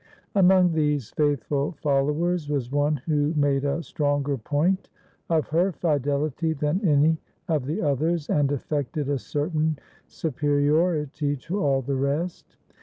Among these faithful followers was one who made a stronger point of her fidelity than any of the others, and afEected a cer tain superiority to all the rest.